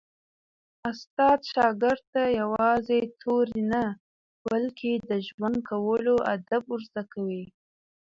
استاد شاګرد ته یوازې توري نه، بلکي د ژوند کولو آداب ور زده کوي.